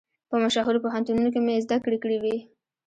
په مشهورو پوهنتونو کې مې زده کړې کړې وې.